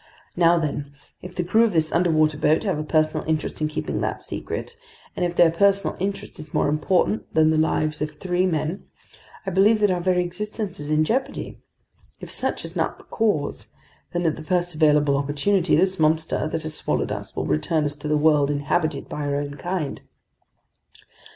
Now then, if the crew of this underwater boat have a personal interest in keeping that secret, and if their personal interest is more important than the lives of three men, I believe that our very existence is in jeopardy. If such is not the case, then at the first available opportunity, this monster that has swallowed us will return us to the world inhabited by our own kind."